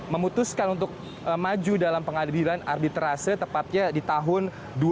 memutuskan untuk maju dalam pengadilan ardi terase tepatnya di tahun dua ribu empat belas